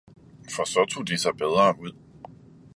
- for så tog de sig bedre ud.